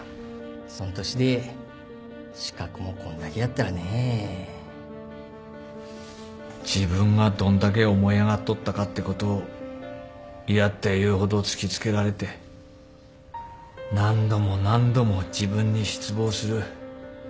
そん年で資格もこんだけやったらねぇ自分がどんだけ思い上がっとったかってことを嫌っていうほど突き付けられて何度も何度も自分に失望する。